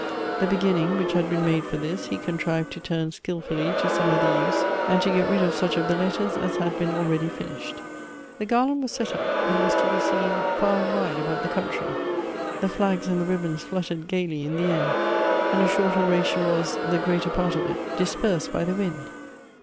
The beginning, which had been made for this, he contrived to turn skilfully to some other use, and to get rid of such of the letters as had been already finished. The garland was set up, and was to be seen far and 6 122 Goethe's wide about the country. The flags and the ribbons fluttered gayly in the air ; and a short oration was, the greater part of it, dispersed by the wind.